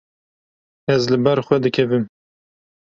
Ez li ber xwe dikevim.